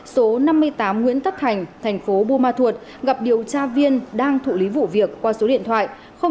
số năm mươi tám nguyễn tất thành thành phố buôn ma thuột gặp điều tra viên đang thụ lý vụ việc qua số điện thoại chín trăm một mươi một ba trăm một mươi một ba trăm bảy mươi chín